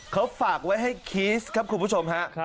เขาฝากไว้ให้คีสครับคุณผู้ชมฮะ